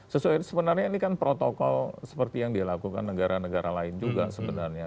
sesuai sebenarnya ini kan protokol seperti yang dilakukan negara negara lain juga sebenarnya